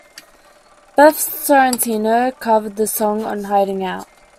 Beth Sorrentino covered the song on "Hiding Out".